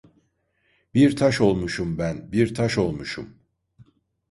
Bir taş olmuşum ben, bir taş olmuşum!